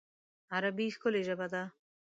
عربي ښکلی ژبه ده